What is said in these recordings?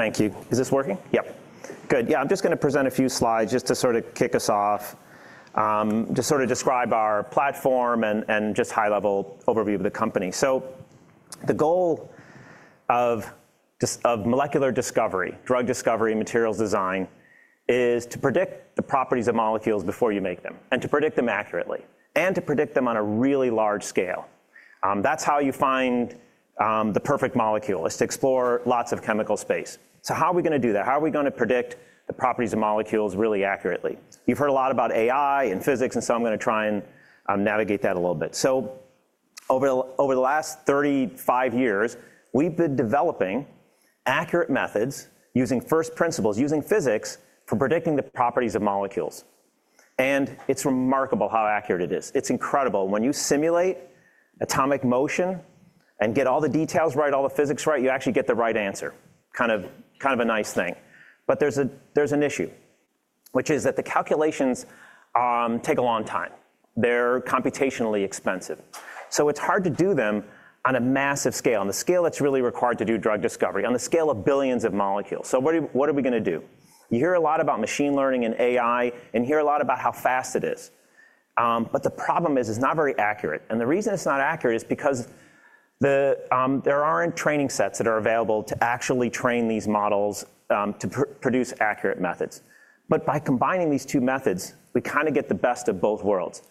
Thank you. Is this working? Yep. Good. Yeah. I'm just going to present a few slides just to sort of kick us off, just sort of describe our platform and just high-level overview of the company. The goal of molecular discovery, drug discovery, and materials design is to predict the properties of molecules before you make them, and to predict them accurately, and to predict them on a really large scale. That's how you find the perfect molecule, is to explore lots of chemical space. How are we going to do that? How are we going to predict the properties of molecules really accurately? You've heard a lot about AI and physics, and I'm going to try and navigate that a little bit. Over the last 35 years, we've been developing accurate methods using first principles, using physics for predicting the properties of molecules. It's remarkable how accurate it is. It's incredible. When you simulate atomic motion and get all the details right, all the physics right, you actually get the right answer. Kind of a nice thing. There is an issue, which is that the calculations take a long time. They're computationally expensive. It's hard to do them on a massive scale, on the scale that's really required to do drug discovery, on the scale of billions of molecules. What are we going to do? You hear a lot about machine learning and AI, and you hear a lot about how fast it is. The problem is, it's not very accurate. The reason it's not accurate is because there aren't training sets that are available to actually train these models to produce accurate methods. By combining these two methods, we kind of get the best of both worlds.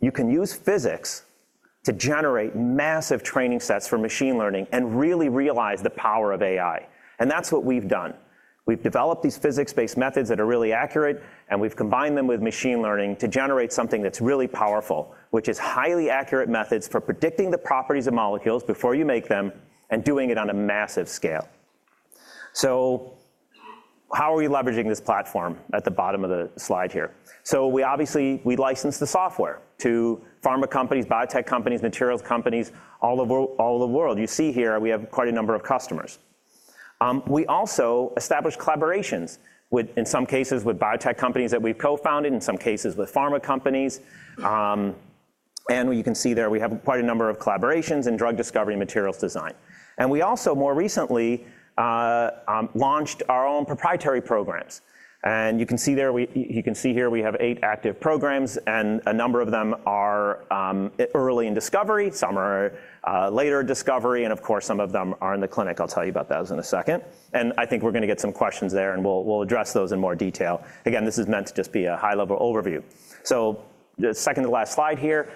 You can use physics to generate massive training sets for machine learning and really realize the power of AI. That is what we have done. We have developed these physics-based methods that are really accurate, and we have combined them with machine learning to generate something that is really powerful, which is highly accurate methods for predicting the properties of molecules before you make them and doing it on a massive scale. How are we leveraging this platform at the bottom of the slide here? We obviously license the software to pharma companies, biotech companies, materials companies, all over the world. You see here we have quite a number of customers. We also establish collaborations, in some cases with biotech companies that we have co-founded, in some cases with pharma companies. You can see there we have quite a number of collaborations in drug discovery and materials design. We also, more recently, launched our own proprietary programs. You can see there we have eight active programs, and a number of them are early in discovery, some are later in discovery, and of course, some of them are in the clinic. I'll tell you about those in a second. I think we're going to get some questions there, and we'll address those in more detail. This is meant to just be a high-level overview. The second to last slide here,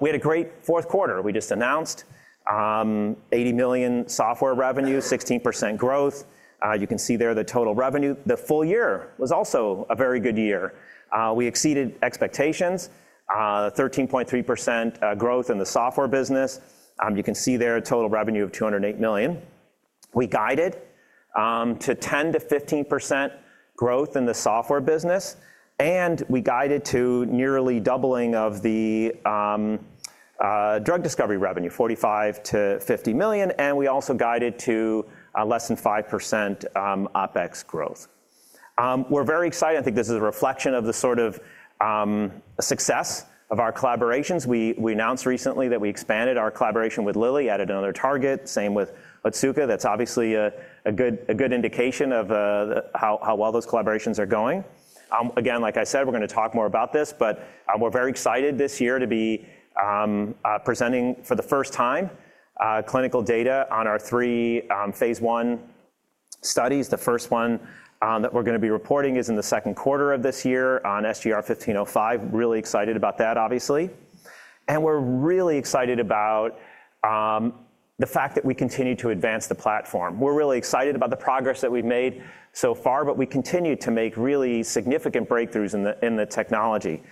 we had a great fourth quarter. We just announced $80 million software revenue, 16% growth. You can see there the total revenue. The full year was also a very good year. We exceeded expectations, 13.3% growth in the software business. You can see there a total revenue of $208 million. We guided to 10%-15% growth in the software business, and we guided to nearly doubling of the drug discovery revenue, $45 million-$50 million. We also guided to less than 5% OpEx growth. We're very excited. I think this is a reflection of the sort of success of our collaborations. We announced recently that we expanded our collaboration with Lilly, added another target, same with Otsuka. That's obviously a good indication of how well those collaborations are going. Again, like I said, we're going to talk more about this, but we're very excited this year to be presenting for the first time clinical data on our three phase I studies. The first one that we're going to be reporting is in the second quarter of this year on SGR-1505. Really excited about that, obviously. We are really excited about the fact that we continue to advance the platform. We are really excited about the progress that we have made so far, but we continue to make really significant breakthroughs in the technology.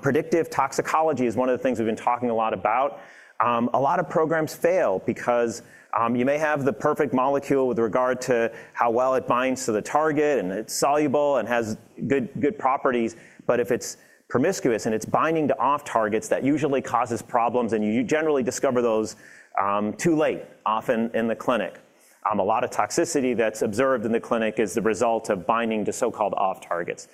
Predictive toxicology is one of the things we have been talking a lot about. A lot of programs fail because you may have the perfect molecule with regard to how well it binds to the target, and it is soluble and has good properties, but if it is promiscuous and it is binding to off-targets, that usually causes problems, and you generally discover those too late, often in the clinic. A lot of toxicity that is observed in the clinic is the result of binding to so-called off-targets.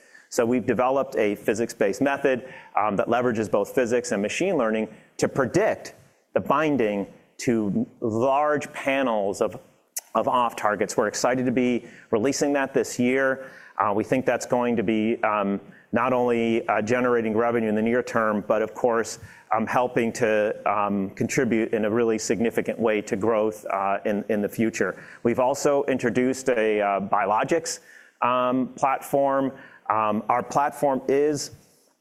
We have developed a physics-based method that leverages both physics and machine learning to predict the binding to large panels of off-targets. We are excited to be releasing that this year. We think that's going to be not only generating revenue in the near term, but of course, helping to contribute in a really significant way to growth in the future. We have also introduced a biologics platform. Our platform is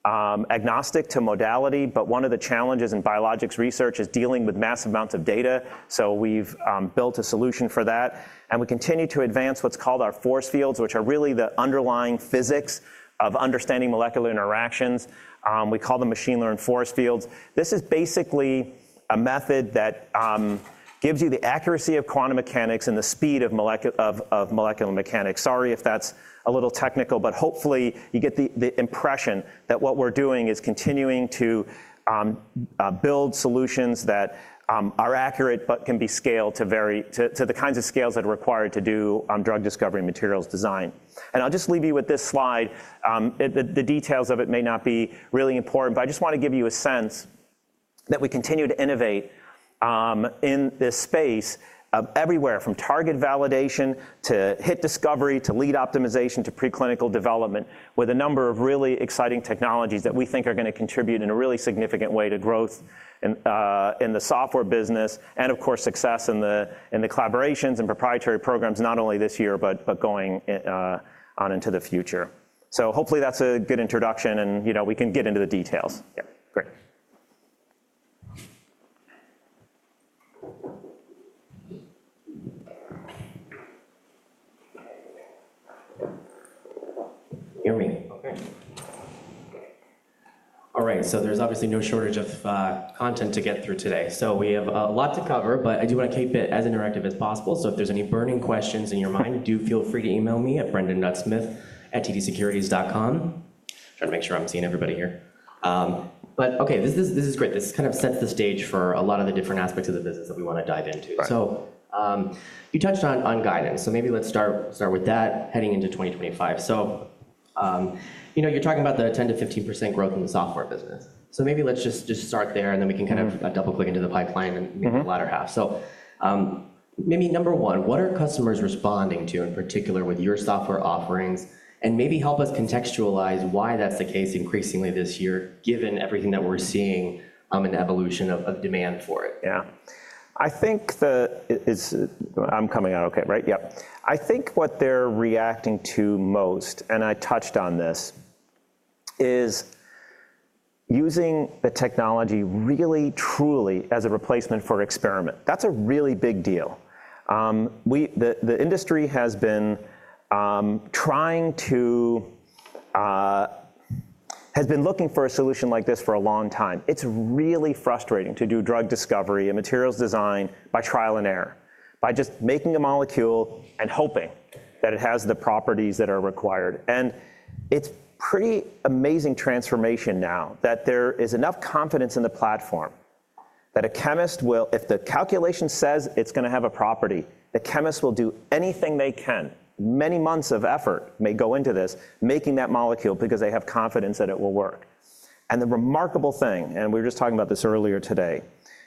agnostic to modality, but one of the challenges in biologics research is dealing with massive amounts of data. We have built a solution for that. We continue to advance what is called our force fields, which are really the underlying physics of understanding molecular interactions. We call them machine-learned force fields. This is basically a method that gives you the accuracy of quantum mechanics and the speed of molecular mechanics. Sorry if that's a little technical, but hopefully you get the impression that what we're doing is continuing to build solutions that are accurate but can be scaled to the kinds of scales that are required to do drug discovery and materials design. I'll just leave you with this slide. The details of it may not be really important, but I just want to give you a sense that we continue to innovate in this space everywhere, from target validation to hit discovery to lead optimization to preclinical development, with a number of really exciting technologies that we think are going to contribute in a really significant way to growth in the software business, and of course, success in the collaborations and proprietary programs, not only this year, but going on into the future. Hopefully that's a good introduction, and we can get into the details. Yeah. Great. Hear me. Okay. All right. There's obviously no shortage of content to get through today. We have a lot to cover, but I do want to keep it as interactive as possible. If there's any burning questions in your mind, do feel free to email me at Brendan.Smith@TDSecurities.com. Trying to make sure I'm seeing everybody here. Okay, this is great. This kind of sets the stage for a lot of the different aspects of the business that we want to dive into. You touched on guidance, so maybe let's start with that heading into 2025. You're talking about the 10%-15% growth in the software business. Maybe let's just start there, and then we can kind of double-click into the pipeline and maybe the latter half. Maybe number one, what are customers responding to in particular with your software offerings? Maybe help us contextualize why that's the case increasingly this year, given everything that we're seeing in the evolution of demand for it. Yeah. I think I'm coming out okay, right? Yep. I think what they're reacting to most, and I touched on this, is using the technology really, truly as a replacement for experiment. That's a really big deal. The industry has been trying to, has been looking for a solution like this for a long time. It's really frustrating to do drug discovery and materials design by trial and error, by just making a molecule and hoping that it has the properties that are required. It's a pretty amazing transformation now that there is enough confidence in the platform that a chemist will, if the calculation says it's going to have a property, the chemist will do anything they can. Many months of effort may go into this making that molecule because they have confidence that it will work. The remarkable thing, and we were just talking about this earlier today,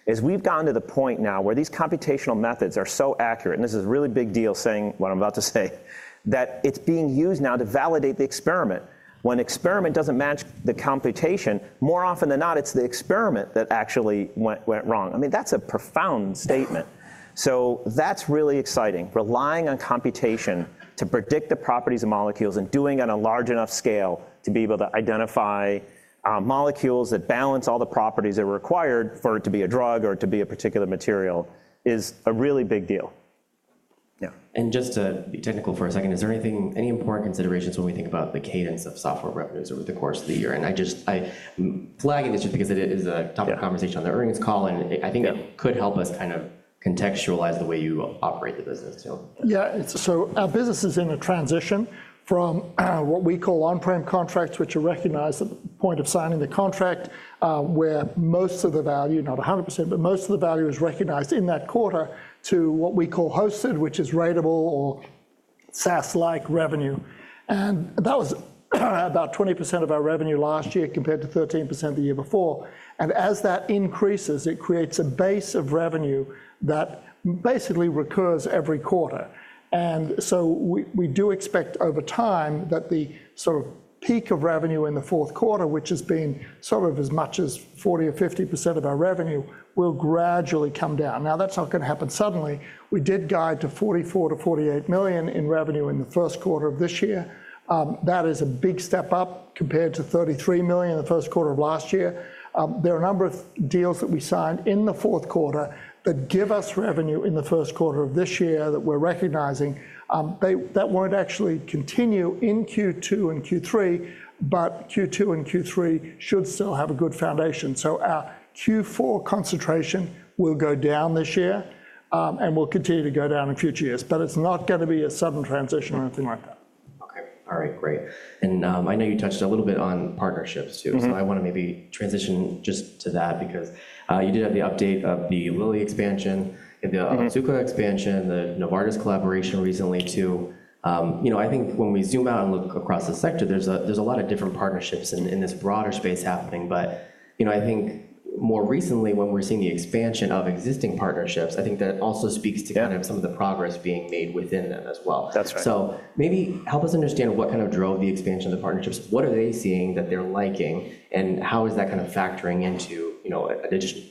is we've gotten to the point now where these computational methods are so accurate, and this is a really big deal, saying what I'm about to say, that it's being used now to validate the experiment. When the experiment doesn't match the computation, more often than not, it's the experiment that actually went wrong. I mean, that's a profound statement. That's really exciting. Relying on computation to predict the properties of molecules and doing it on a large enough scale to be able to identify molecules that balance all the properties that are required for it to be a drug or to be a particular material is a really big deal. Yeah. Just to be technical for a second, is there any important considerations when we think about the cadence of software revenues over the course of the year? I'm flagging this just because it is a topic of conversation on the earnings call, and I think it could help us kind of contextualize the way you operate the business too. Yeah. Our business is in a transition from what we call on-prem contracts, which are recognized at the point of signing the contract, where most of the value, not 100%, but most of the value is recognized in that quarter, to what we call hosted, which is ratable or SaaS-like revenue. That was about 20% of our revenue last year compared to 13% the year before. As that increases, it creates a base of revenue that basically recurs every quarter. We do expect over time that the sort of peak of revenue in the fourth quarter, which has been as much as 40% or 50% of our revenue, will gradually come down. That is not going to happen suddenly. We did guide to $44 million-$48 million in revenue in the first quarter of this year. That is a big step up compared to $33 million in the first quarter of last year. There are a number of deals that we signed in the fourth quarter that give us revenue in the first quarter of this year that we're recognizing. That will not actually continue in Q2 and Q3, but Q2 and Q3 should still have a good foundation. Our Q4 concentration will go down this year, and will continue to go down in future years. It is not going to be a sudden transition or anything like that. Okay. All right. Great. I know you touched a little bit on partnerships too, so I want to maybe transition just to that because you did have the update of the Lilly expansion, the Otsuka expansion, the Novartis collaboration recently too. I think when we zoom out and look across the sector, there's a lot of different partnerships in this broader space happening. I think more recently, when we're seeing the expansion of existing partnerships, I think that also speaks to kind of some of the progress being made within them as well. That's right. Maybe help us understand what kind of drove the expansion of the partnerships. What are they seeing that they're liking, and how is that kind of factoring into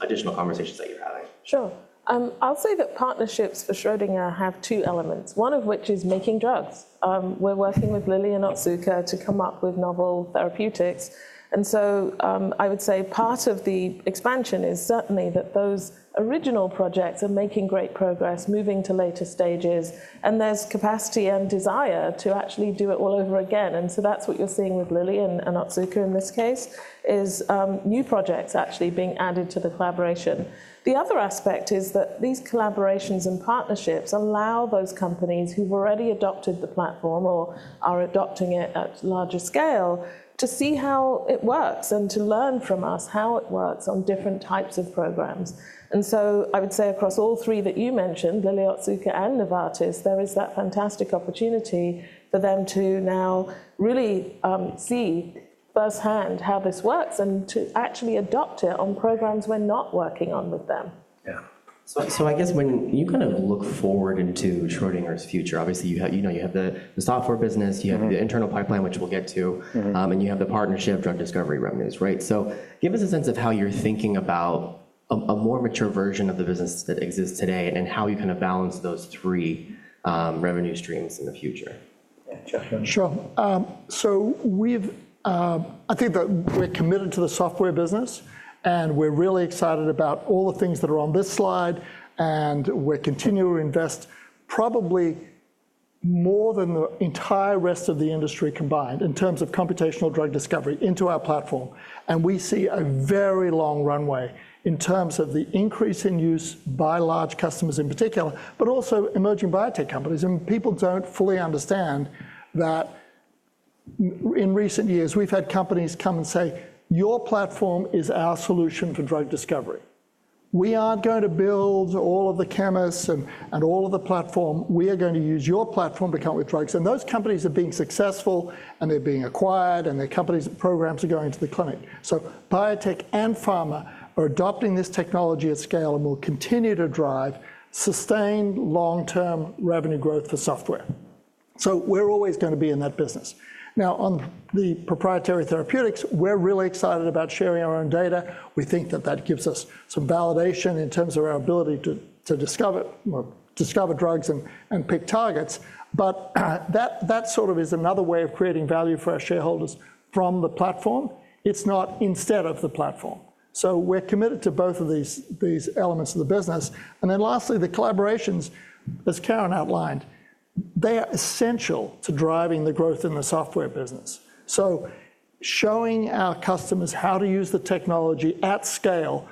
additional conversations that you're having? Sure. I'll say that partnerships for Schrödinger have two elements, one of which is making drugs. We're working with Lilly and Otsuka to come up with novel therapeutics. I would say part of the expansion is certainly that those original projects are making great progress, moving to later stages, and there's capacity and desire to actually do it all over again. That's what you're seeing with Lilly and Otsuka in this case, is new projects actually being added to the collaboration. The other aspect is that these collaborations and partnerships allow those companies who've already adopted the platform or are adopting it at larger scale to see how it works and to learn from us how it works on different types of programs.I would say across all three that you mentioned, Lilly, Otsuka, and Novartis, there is that fantastic opportunity for them to now really see firsthand how this works and to actually adopt it on programs we're not working on with them. Yeah. So I guess when you kind of look forward into Schrödinger's future, obviously you have the software business, you have the internal pipeline, which we'll get to, and you have the partnership drug discovery revenues, right? So give us a sense of how you're thinking about a more mature version of the business that exists today and how you kind of balance those three revenue streams in the future. Sure. I think that we're committed to the software business, and we're really excited about all the things that are on this slide, and we're continuing to invest probably more than the entire rest of the industry combined in terms of computational drug discovery into our platform. We see a very long runway in terms of the increase in use by large customers in particular, but also emerging biotech companies. People don't fully understand that in recent years, we've had companies come and say, "Your platform is our solution for drug discovery. We aren't going to build all of the chemists and all of the platform. We are going to use your platform to come up with drugs. Those companies are being successful, and they're being acquired, and their companies' programs are going to the clinic. Biotech and pharma are adopting this technology at scale and will continue to drive sustained long-term revenue growth for software. We're always going to be in that business. Now, on the proprietary therapeutics, we're really excited about sharing our own data. We think that that gives us some validation in terms of our ability to discover drugs and pick targets. That sort of is another way of creating value for our shareholders from the platform. It's not instead of the platform. We're committed to both of these elements of the business. Lastly, the collaborations, as Karen outlined, are essential to driving the growth in the software business. Showing our customers how to use the technology at scale,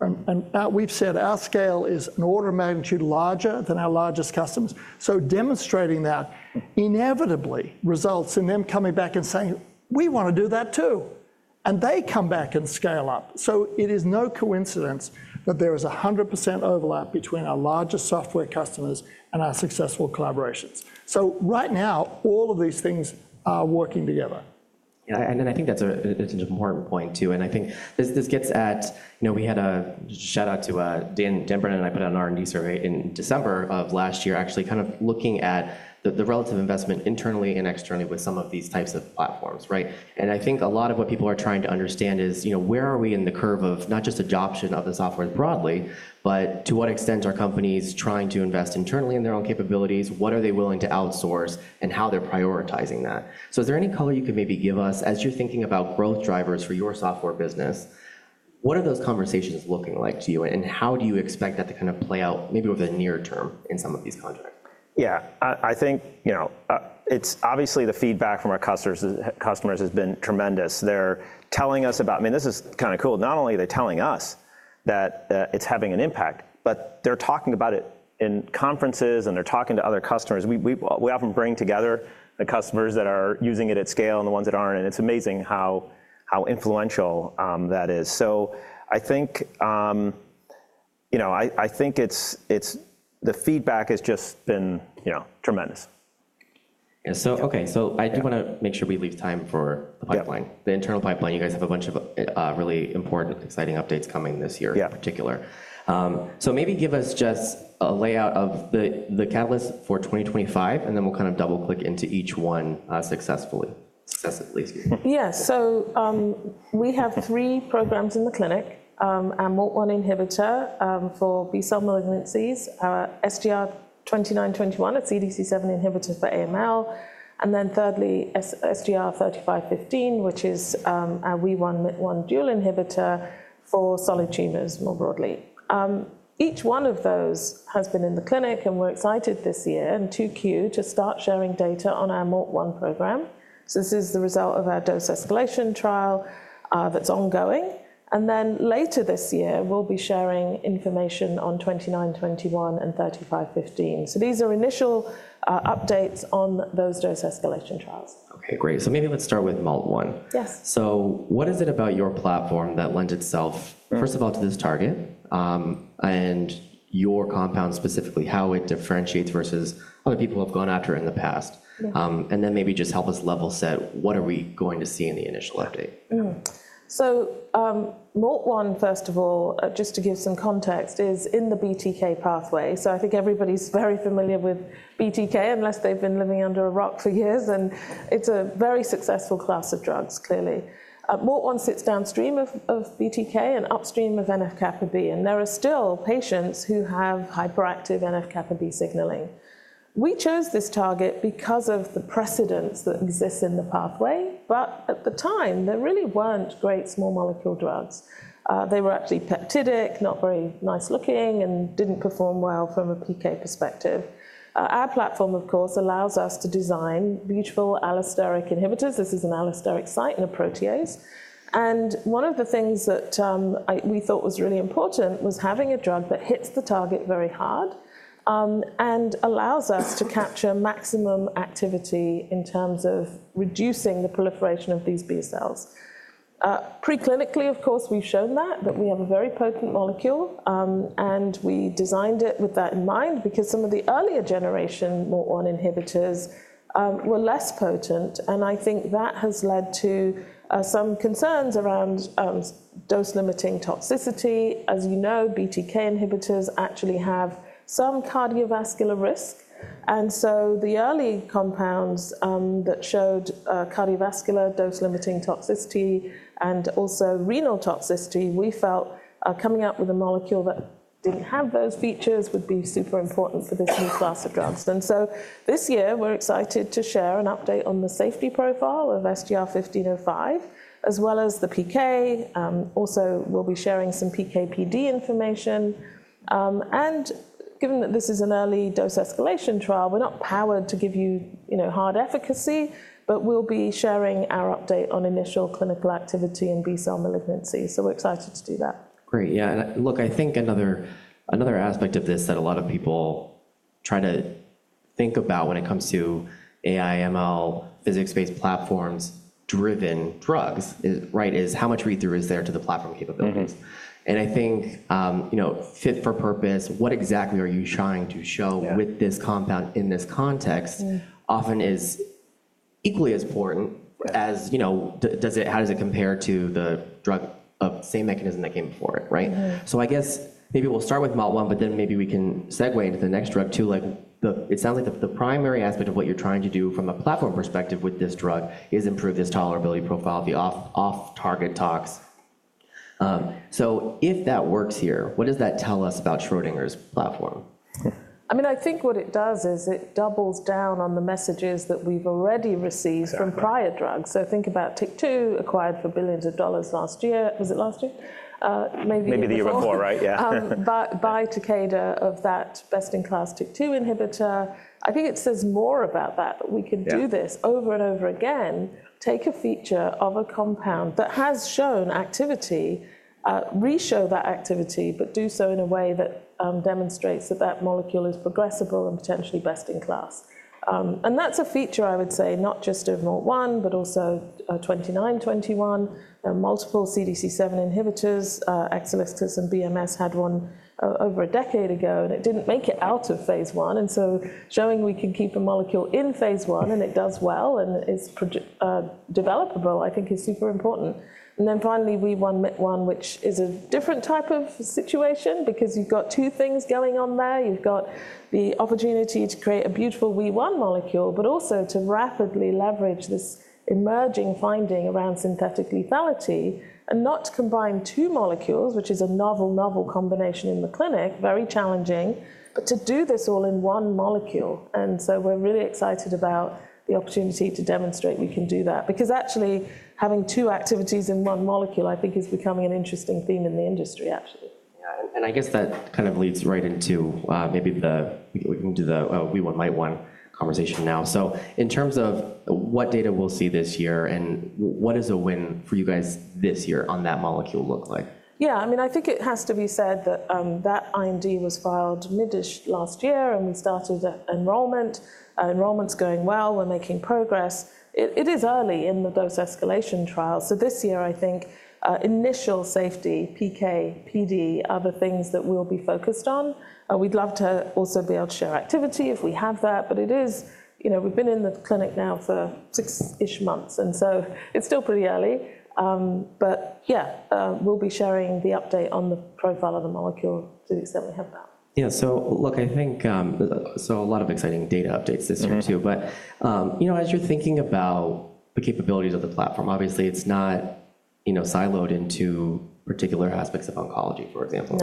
and we've said our scale is an order of magnitude larger than our largest customers. Demonstrating that inevitably results in them coming back and saying, we want to do that too. They come back and scale up. It is no coincidence that there is 100% overlap between our largest software customers and our successful collaborations. Right now, all of these things are working together. Yeah. I think that's an important point too. I think this gets at, we had a shout-out to Dan Brennan, and I put out an R&D survey in December of last year, actually kind of looking at the relative investment internally and externally with some of these types of platforms, right? I think a lot of what people are trying to understand is where are we in the curve of not just adoption of the software broadly, but to what extent are companies trying to invest internally in their own capabilities, what are they willing to outsource, and how they're prioritizing that. Is there any color you could maybe give us as you're thinking about growth drivers for your software business? What are those conversations looking like to you, and how do you expect that to kind of play out maybe over the near term in some of these contracts? Yeah. I think it's obviously the feedback from our customers has been tremendous. They're telling us about, I mean, this is kind of cool. Not only are they telling us that it's having an impact, but they're talking about it in conferences, and they're talking to other customers. We often bring together the customers that are using it at scale and the ones that aren't, and it's amazing how influential that is. I think the feedback has just been tremendous. Yeah. Okay. I do want to make sure we leave time for the pipeline. The internal pipeline, you guys have a bunch of really important, exciting updates coming this year in particular. Maybe give us just a layout of the catalyst for 2025, and then we'll kind of double-click into each one successively here. Yeah. We have three programs in the clinic: our MALT1 inhibitor for B-cell malignancies, our SGR-2921, a CDC7 inhibitor for AML, and then thirdly, SGR-3515, which is our Wee1/Myt1 dual inhibitor for solid tumors more broadly. Each one of those has been in the clinic, and we're excited this year and too keen to start sharing data on our MALT1 program. This is the result of our dose escalation trial that's ongoing. Later this year, we'll be sharing information on 2921 and 3515. These are initial updates on those dose escalation trials. Okay. Great. Maybe let's start with MALT1. Yes. What is it about your platform that lends itself, first of all, to this target and your compound specifically, how it differentiates versus other people who have gone after it in the past? Maybe just help us level set what are we going to see in the initial update? MALT1, first of all, just to give some context, is in the BTK pathway. I think everybody's very familiar with BTK unless they've been living under a rock for years. It's a very successful class of drugs, clearly. MALT1 sits downstream of BTK and upstream of NF-kappa-B, and there are still patients who have hyperactive NF-kappa-B signaling. We chose this target because of the precedents that exist in the pathway, but at the time, there really weren't great small molecule drugs. They were actually peptidic, not very nice looking, and didn't perform well from a PK perspective. Our platform, of course, allows us to design beautiful allosteric inhibitors. This is an allosteric site in a protease. One of the things that we thought was really important was having a drug that hits the target very hard and allows us to capture maximum activity in terms of reducing the proliferation of these B-cells. Preclinically, of course, we've shown that we have a very potent molecule, and we designed it with that in mind because some of the earlier generation MALT1 inhibitors were less potent. I think that has led to some concerns around dose-limiting toxicity. As you know, BTK inhibitors actually have some cardiovascular risk. The early compounds that showed cardiovascular dose-limiting toxicity and also renal toxicity, we felt coming up with a molecule that did not have those features would be super important for this new class of drugs. This year, we're excited to share an update on the safety profile of SGR-1505, as well as the PK. Also, we'll be sharing some PK/PD information. Given that this is an early dose escalation trial, we're not powered to give you hard efficacy, but we'll be sharing our update on initial clinical activity in B-cell malignancies. We're excited to do that. Great. Yeah. Look, I think another aspect of this that a lot of people try to think about when it comes to AI/ML physics-based platforms-driven drugs is how much read-through is there to the platform capabilities. I think fit for purpose, what exactly are you trying to show with this compound in this context often is equally as important as how does it compare to the drug of same mechanism that came before it, right? I guess maybe we'll start with MALT1, but then maybe we can segue into the next drug too. It sounds like the primary aspect of what you're trying to do from a platform perspective with this drug is improve this tolerability profile, the off-target tox. If that works here, what does that tell us about Schrödinger's platform? I mean, I think what it does is it doubles down on the messages that we've already received from prior drugs. Think about TYK2 acquired for billions of dollars last year. Was it last year? Maybe. Maybe the year before, right? Yeah. By Takeda of that best-in-class TYK2 inhibitor. I think it says more about that. We can do this over and over again. Take a feature of a compound that has shown activity, reshow that activity, but do so in a way that demonstrates that that molecule is progressible and potentially best in class. That is a feature, I would say, not just of MALT1, but also 2921. There are multiple CDC7 inhibitors. Exelixis and BMS had one over a decade ago, and it did not make it out of phase I. Showing we can keep a molecule in phase I and it does well and is developable, I think, is super important. Finally, Wee1/Myt1, which is a different type of situation because you have got two things going on there. You've got the opportunity to create a beautiful Wee1 molecule, but also to rapidly leverage this emerging finding around synthetic lethality and not combine two molecules, which is a novel, novel combination in the clinic, very challenging, but to do this all in one molecule. Actually, we're really excited about the opportunity to demonstrate we can do that because actually having two activities in one molecule, I think, is becoming an interesting theme in the industry, actually. Yeah. I guess that kind of leads right into maybe the Wee1/Myt1 conversation now. In terms of what data we'll see this year and what is a win for you guys this year on that molecule look like? Yeah. I mean, I think it has to be said that that IND was filed mid-ish last year, and we started enrollment. Enrollment's going well. We're making progress. It is early in the dose escalation trial. This year, I think initial safety, PK/PD, are the things that we'll be focused on. We'd love to also be able to share activity if we have that, but it is we've been in the clinic now for six-ish months, and it is still pretty early. Yeah, we'll be sharing the update on the profile of the molecule to the extent we have that. Yeah. So look, I think a lot of exciting data updates this year too. As you're thinking about the capabilities of the platform, obviously, it's not siloed into particular aspects of oncology, for example,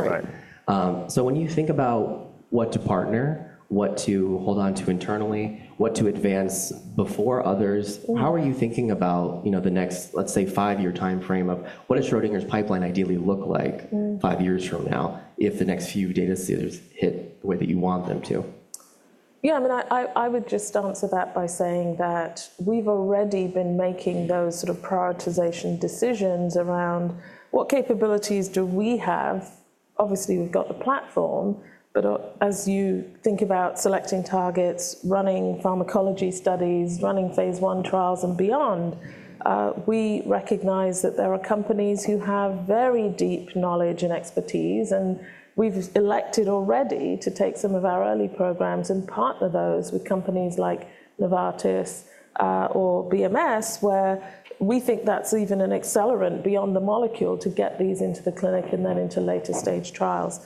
right? When you think about what to partner, what to hold on to internally, what to advance before others, how are you thinking about the next, let's say, five-year timeframe of what does Schrödinger's pipeline ideally look like five years from now if the next few data sets hit the way that you want them to? Yeah. I mean, I would just answer that by saying that we've already been making those sort of prioritization decisions around what capabilities do we have. Obviously, we've got the platform, but as you think about selecting targets, running pharmacology studies, running phase I trials, and beyond, we recognize that there are companies who have very deep knowledge and expertise. We've elected already to take some of our early programs and partner those with companies like Novartis or BMS, where we think that's even an accelerant beyond the molecule to get these into the clinic and then into later stage trials.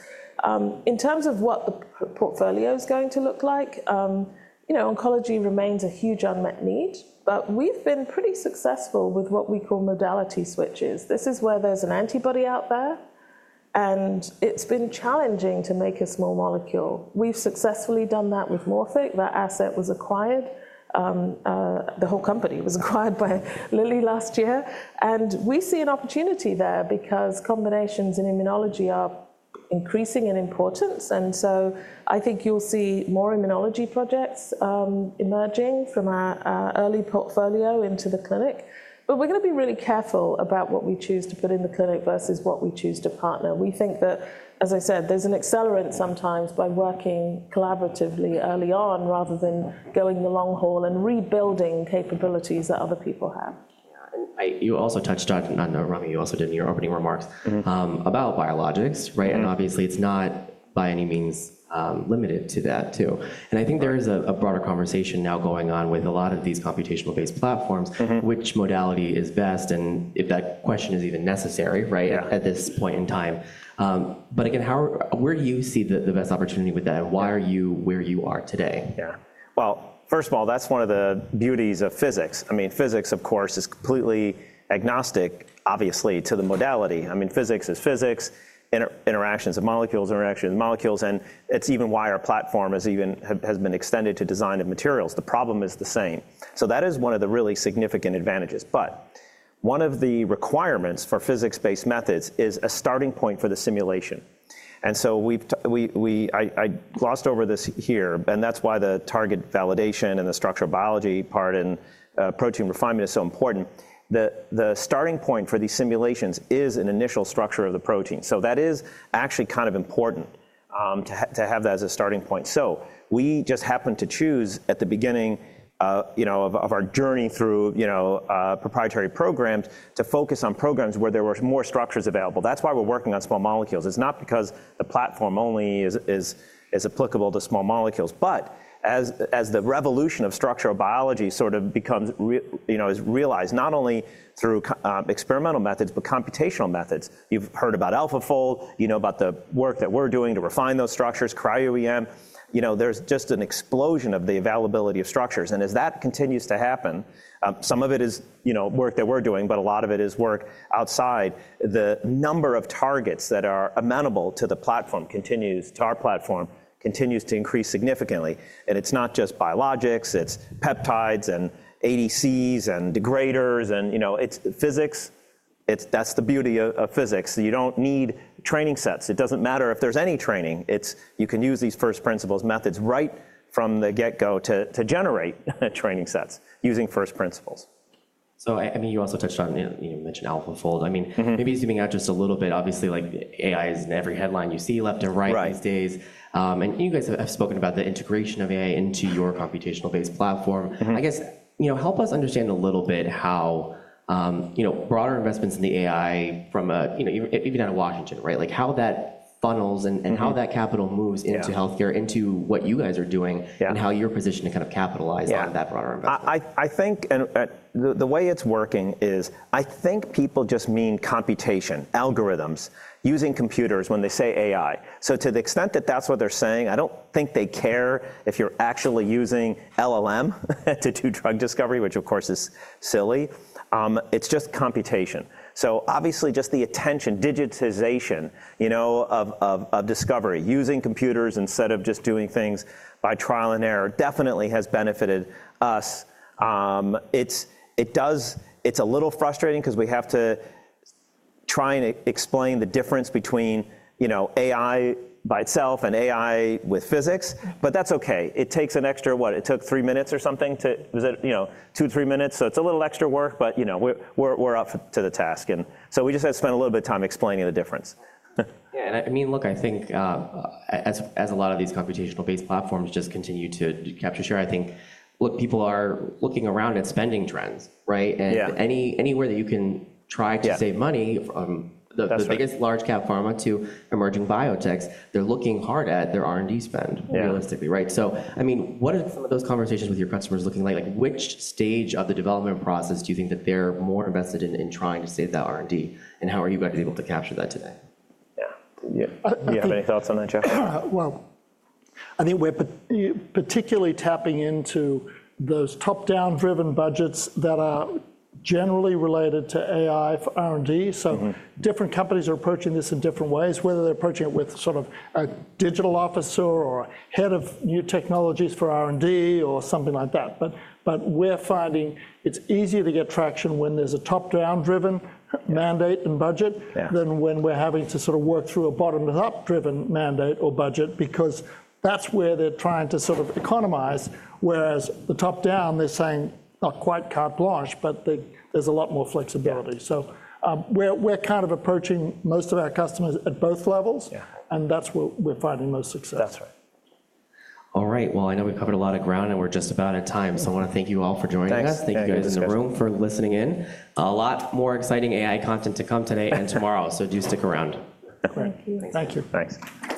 In terms of what the portfolio is going to look like, oncology remains a huge unmet need, but we've been pretty successful with what we call modality switches. This is where there's an antibody out there, and it's been challenging to make a small molecule. We've successfully done that with Morphic. That asset was acquired. The whole company was acquired by Lilly last year. We see an opportunity there because combinations in immunology are increasing in importance. I think you'll see more immunology projects emerging from our early portfolio into the clinic. We're going to be really careful about what we choose to put in the clinic versus what we choose to partner. We think that, as I said, there's an accelerant sometimes by working collaboratively early on rather than going the long haul and rebuilding capabilities that other people have. Yeah. You also touched on, Ramy, you also did in your opening remarks about biologics, right? Obviously, it's not by any means limited to that too. I think there is a broader conversation now going on with a lot of these computational-based platforms, which modality is best and if that question is even necessary, right, at this point in time. Again, where do you see the best opportunity with that? Why are you where you are today? Yeah. First of all, that's one of the beauties of physics. I mean, physics, of course, is completely agnostic, obviously, to the modality. I mean, physics is physics, interactions of molecules, interactions of molecules. It is even why our platform has been extended to design of materials. The problem is the same. That is one of the really significant advantages. One of the requirements for physics-based methods is a starting point for the simulation. I glossed over this here, and that's why the target validation and the structural biology part and protein refinement is so important. The starting point for these simulations is an initial structure of the protein. That is actually kind of important to have that as a starting point. We just happened to choose at the beginning of our journey through proprietary programs to focus on programs where there were more structures available. That is why we are working on small molecules. It is not because the platform only is applicable to small molecules, but as the revolution of structural biology sort of becomes realized not only through experimental methods, but computational methods. You have heard about AlphaFold. You know about the work that we are doing to refine those structures, cryo-EM. There is just an explosion of the availability of structures. As that continues to happen, some of it is work that we are doing, but a lot of it is work outside. The number of targets that are amenable to the platform, our platform, continues to increase significantly. It is not just biologics. It is peptides and ADCs and degraders. It is physics. That is the beauty of physics. You don't need training sets. It doesn't matter if there's any training. You can use these first principles methods right from the get-go to generate training sets using first principles. I mean, you also touched on you mentioned AlphaFold. I mean, maybe zooming out just a little bit, obviously, AI is in every headline you see left and right these days. And you guys have spoken about the integration of AI into your computational-based platform. I guess help us understand a little bit how broader investments in the AI from even out of Washington, right? How that funnels and how that capital moves into healthcare, into what you guys are doing, and how you're positioned to kind of capitalize on that broader investment? I think the way it's working is I think people just mean computation, algorithms, using computers when they say AI. To the extent that that's what they're saying, I don't think they care if you're actually using LLM to do drug discovery, which, of course, is silly. It's just computation. Obviously, just the attention, digitization of discovery using computers instead of just doing things by trial and error definitely has benefited us. It's a little frustrating because we have to try and explain the difference between AI by itself and AI with physics, but that's okay. It takes an extra what? It took three minutes or something to was it two or three minutes? It's a little extra work, but we're up to the task. We just had to spend a little bit of time explaining the difference. Yeah. I mean, look, I think as a lot of these computational-based platforms just continue to capture share, I think people are looking around at spending trends, right? Anywhere that you can try to save money, the biggest large-cap pharma to emerging biotechs, they're looking hard at their R&D spend realistically, right? I mean, what are some of those conversations with your customers looking like? Which stage of the development process do you think that they're more invested in trying to save that R&D? How are you guys able to capture that today? Yeah. Do you have any thoughts on that, Geoff? I think we're particularly tapping into those top-down-driven budgets that are generally related to AI for R&D. Different companies are approaching this in different ways, whether they're approaching it with sort of a digital officer or head of new technologies for R&D or something like that. We're finding it's easier to get traction when there's a top-down-driven mandate and budget than when we're having to sort of work through a bottom-to-top-driven mandate or budget because that's where they're trying to sort of economize, whereas the top-down, they're saying not quite carte blanche, but there's a lot more flexibility. We're kind of approaching most of our customers at both levels, and that's where we're finding most success. That's right. All right. I know we've covered a lot of ground, and we're just about at time. I want to thank you all for joining us. Thank you guys in the room for listening in. A lot more exciting AI content to come today and tomorrow. Do stick around. Thank you. Thank you. Thanks.